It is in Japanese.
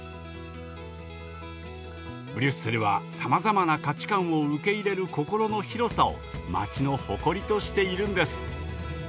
ブリュッセルはさまざまな価値観を受け入れる心の広さを街の誇りとしているんです。